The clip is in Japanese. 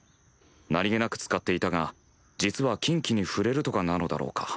何気なく使っていたが実は禁忌に触れるとかなのだろうか。